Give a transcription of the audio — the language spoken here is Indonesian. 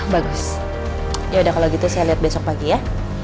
bagus yaudah kalau gitu saya lihat besok pagi ya